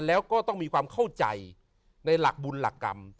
แล้วก็ต้องมีความเข้าใจในหลักบุญหลักกรรม